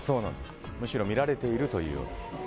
むしろ見られているという。